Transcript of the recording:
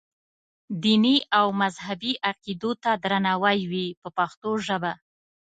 دیني او مذهبي عقیدو ته درناوی وي په پښتو ژبه.